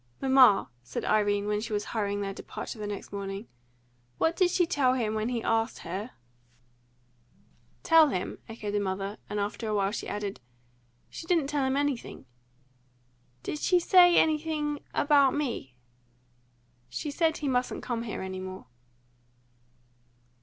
"Mamma," said Irene, when she was hurrying their departure the next morning, "what did she tell him when he asked her?" "Tell him?" echoed the mother; and after a while she added, "She didn't tell him anything." "Did she say anything, about me?" "She said he mustn't come here any more."